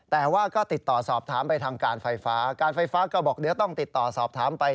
แต่ว่าก็ติดต่อสอบถามไปทางการไฟฟ้าการไฟฟ้าก็บอกเดี๋ยวต้องติดต่อสอบถามไป